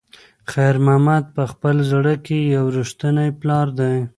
خیر محمد په خپل زړه کې یو رښتینی پلار دی.